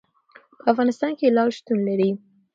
په افغانستان کې لعل شتون لري.